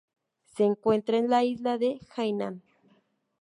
Se encuentra en la isla de Hainan.